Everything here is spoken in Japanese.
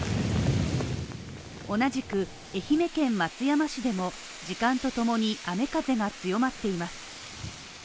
同じく愛媛県松山市でも時間とともに雨風が強まっています。